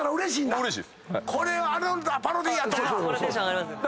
これあのパロディーやとか。